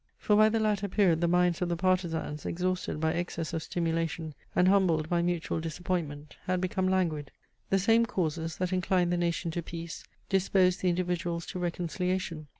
For by the latter period the minds of the partizans, exhausted by excess of stimulation and humbled by mutual disappointment, had become languid. The same causes, that inclined the nation to peace, disposed the individuals to reconciliation.